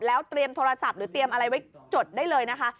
แล้วเตรียมโทรศัพท์หรือเตรียมอะไรไว้จดได้เลยนะคะ